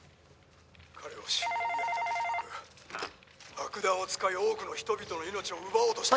「爆弾を使い多くの人々の命を奪おうとした彼女には」